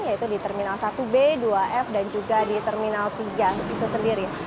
yaitu di terminal satu b dua f dan juga di terminal tiga itu sendiri